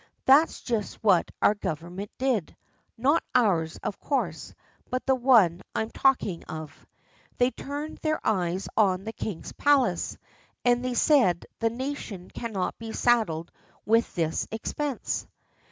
That's just what our Government did not ours, of course but the one I am talking of. They turned their eyes on the king's palace, and they said the nation cannot be saddled with this expense.